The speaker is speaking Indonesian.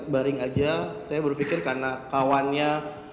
baring aja saya berpikir karena kawannya